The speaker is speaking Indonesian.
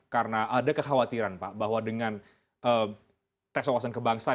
karena ada kekhawatiran pak bahwa dengan tes keuasan kebangsaan